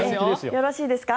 よろしいですか？